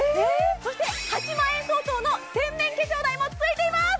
そして８万円相当の洗面化粧台もついています！